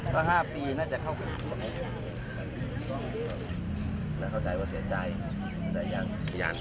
ก็๕ปีน่าจะเข้าแล้วเข้าใจว่าเสียใจแต่ยัง